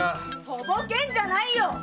とぼけるんじゃないよ！